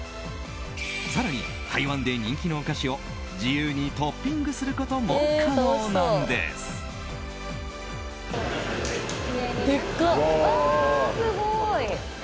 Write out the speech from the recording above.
更に、台湾で人気のお菓子を自由にトッピングすることも可能なんです。